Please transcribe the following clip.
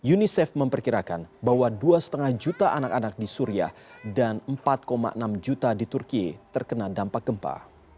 unicef memperkirakan bahwa dua lima juta anak anak di suria dan empat enam juta di turki terkena dampak gempa